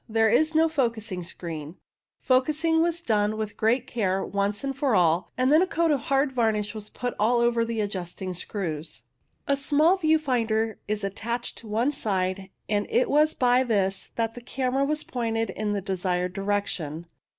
There is no focusing screen. Focusing was done with great care once for all, and then a coat of hard varnish was put over all the adjusting screws. 142 CLOUD ALTITUDES A small view finder is attached to one side, and it was by this that the camera was pointed in the desired direction.